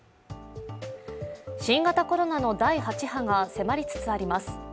新型コロナの第８波が迫りつつあります。